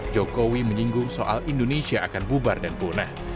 jokowi menyinggung soal indonesia akan bubar dan punah